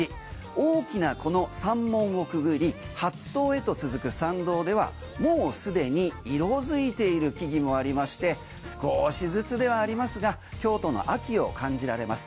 大きなこの三門をくぐり法堂へと続く参道ではもうすでに色づいている木々もありまして少しずつではありますが京都の秋を感じられます。